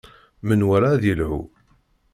Menwala ad yelhu.